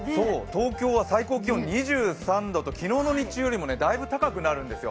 東京は最高気温２３度と昨日の日中よりもだいぶ高くなるんですよ。